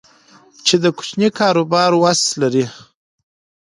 چې د کوچني کاروبار وس لري